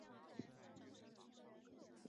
金叶细枝柃为山茶科柃木属下的一个变种。